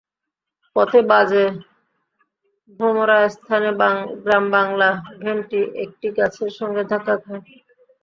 পথে বাজে ভোমরা স্থানে গ্রামবাংলা ভ্যানটি একটি গাছের সঙ্গে ধাক্কা খায়।